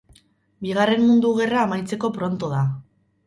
Bigarren Mundu Gerra amaitzeko pronto da.